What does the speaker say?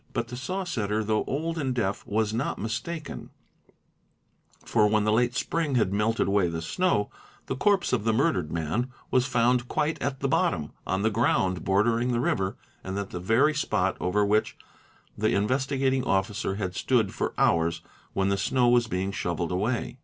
But the saw setter though old and deaf was not mistaken ; for when the late spring had melted away the snow, the ~ corpse of the murdered man was found quite at the bottom, on the ground bordering the river and at the very spot over which the Investigating ) 4 SE: 26 THE INVESTIGATING OFFICER Officer had stood for hours when the snow was being shovelled away.